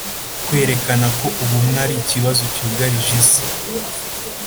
kwerekana ko ubumwe ari ikibazo cyugarije isi